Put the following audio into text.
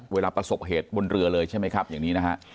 ประสบเหตุบนเรือเลยใช่ไหมครับอย่างนี้นะฮะ